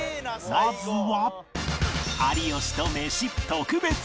まずは